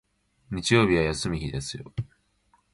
日曜日は休む日ですよ